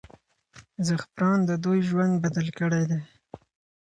زعفران د دوی ژوند بدل کړی دی.